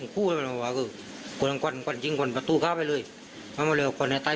คือตอนนั้นคือกลัวคนในบ้านเนี่ย